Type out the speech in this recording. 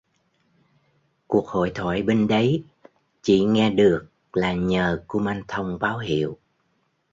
Cuộc hội thoại bên đấy chị nghe được là nhờ Kumanthong báo hiệu